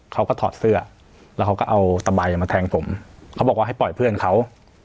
ถอดเสื้อแล้วเขาก็เอาสบายมาแทงผมเขาบอกว่าให้ปล่อยเพื่อนเขา